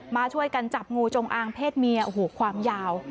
มาช่วยกันจับงูจงอางเพศเมียโอ้โหความยาว